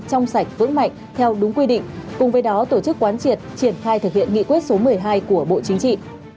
trong sạch vững mạnh theo đúng quy định cùng với đó tổ chức quán triệt triển khai thực hiện nghị quyết số một mươi hai của bộ chính trị